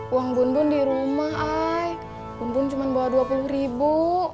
uang bun bun di rumah ai bun bun cuma bawah dua puluh ribu